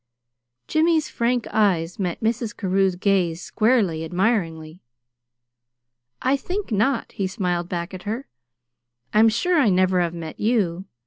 Jimmy's frank eyes met Mrs. Carew's gaze squarely, admiringly. "I think not," he smiled back at her. "I'm sure I never have met you.